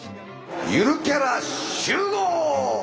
ゆるキャラ集合！